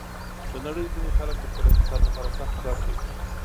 د نړۍ ځینې خلک د خپل اقتصاد لپاره سخت کار کوي.